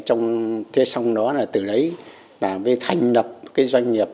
trong thế xong đó là từ đấy là mới thành lập cái doanh nghiệp